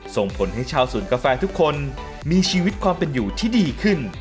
ส่งผลให้ชาวสวนกาแฟทุกคนมีชีวิตความเป็นอยู่ที่ดีขึ้น